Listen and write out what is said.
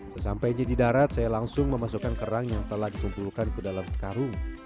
sesampainya di darat saya langsung memasukkan kerang yang telah dikumpulkan ke dalam karung